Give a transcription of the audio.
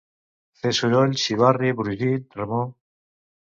Fer soroll, xivarri, brogit, remor.